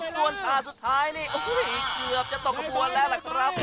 ส่วนฐานสุดท้ายนี่อุ๊ยเกือบจะตกบัวแล้วล่ะครับ